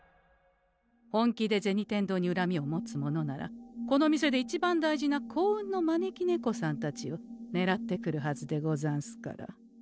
本気で銭天堂にうらみを持つ者ならこの店でいちばん大事な幸運の招き猫さんたちをねらってくるはずでござんすから。